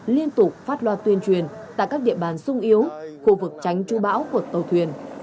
liên tục phát loa tuyên truyền tại các địa bàn sung yếu khu vực tránh chú bão của tàu thuyền